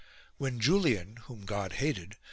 When Julian, whom God hated, vw?